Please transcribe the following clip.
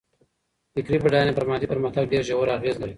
فکري بډاينه پر مادي پرمختګ ډېر ژور اغېز لري.